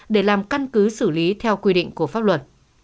để làm căn cứ xử lý theo quy định của pháp luật